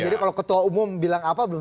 jadi kalau ketua umum bilang apa belum